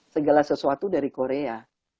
segala sesuatu dari korea